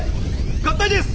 合体です！